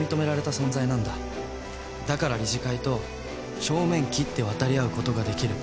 だから理事会と正面切って渡り合うことができる。